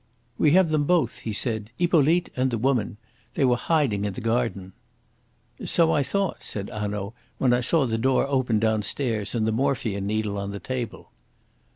"We have them both," he said "Hippolyte and the woman. They were hiding in the garden." "So I thought," said Hanaud, "when I saw the door open downstairs, and the morphia needle on the table."